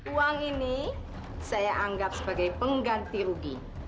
uang ini saya anggap sebagai pengganti rugi